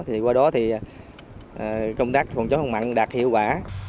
thì qua đó thì công tác phòng chống không mặn đạt hiệu quả